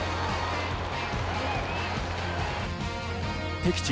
敵地